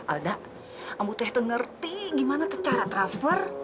alda ambu teh tuh ngerti gimana tuh cara transfer